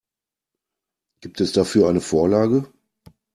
Gibt es dafür eine Vorlage?